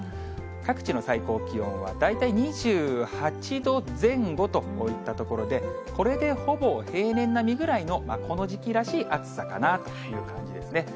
各地の最高気温は大体２８度前後といったところで、これでほぼ平年並みぐらいの、この時期らしい暑さかなという感じですね。